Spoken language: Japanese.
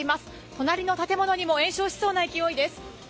隣の建物にも延焼しそうな勢いです。